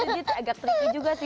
itu dia agak tricky juga sih